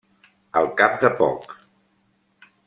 Al cap de poc.